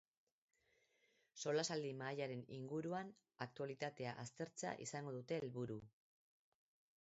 Solasaldi mahaiaren inguruan, aktualitatea aztertzea izango dute helburu.